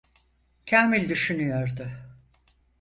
Kamil düşünüyordu: